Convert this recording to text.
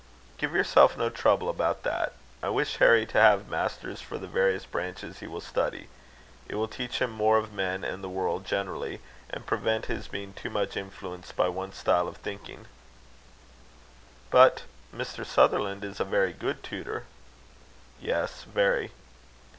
"Give yourself no trouble about that. I wish Harry to have masters for the various branches he will study. It will teach him more of men and the world generally, and prevent his being too much influenced by one style of thinking." "But Mr. Sutherland is a very good tutor." "Yes. Very."